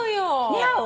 似合う？